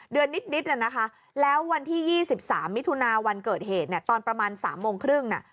เดือนนิดแล้ววันที่๒๓มิถุนาวันเกิดเหตุตอนประมาณ๓โมงครึ่ง